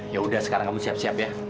ya udah sekarang kamu siap siap ya